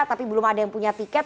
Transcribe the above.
tapi belum ada yang punya tiket